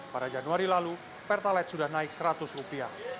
pada januari lalu pertalite sudah naik rp seratus